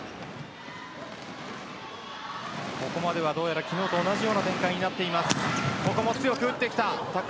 ここまでは、どうやら昨日と同じような展開になっています。